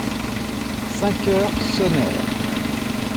Cinq heures sonnèrent.